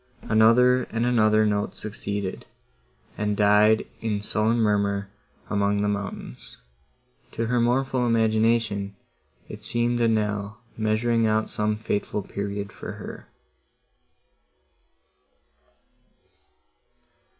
Another and another note succeeded, and died in sullen murmur among the mountains:—to her mournful imagination it seemed a knell measuring out some fateful period for her.